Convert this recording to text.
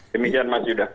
demikian mas yuda